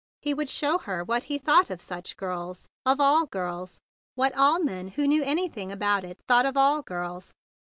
He would show her what he thought of such girls, of all girls; what all men who knew any¬ thing about it thought of all girls!